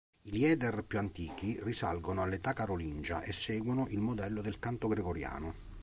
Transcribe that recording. I Lieder più antichi risalgono all'età carolingia e seguono il modello del canto gregoriano.